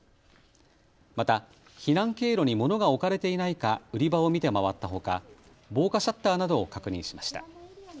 また避難経路に物が置かれていないか売り場を見て回ったほか防火シャッターなどを確認しました。